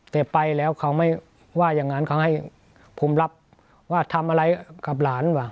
แต่ไปแล้วเขาไม่ว่าอย่างนั้นเขาให้ผมรับว่าทำอะไรกับหลานว่ะ